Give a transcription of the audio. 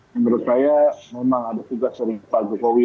menurut saya memang ada tugas dari pak jokowi